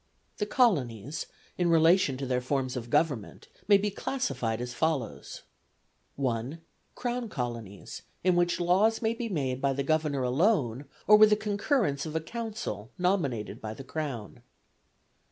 The colonies, in relation to their forms of government, may be classified as follows: I. Crown colonies, in which laws may be made by the Governor alone, or with the concurrence of a Council nominated by the Crown.